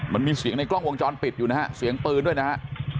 มันมีเสียงในกล้องวงจรปิดอยู่นะฮะเสียงปืนด้วยนะฮะ